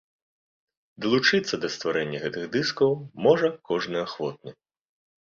Далучыцца да стварэння гэтых дыскаў можа кожны ахвотны.